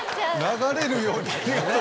流れるように。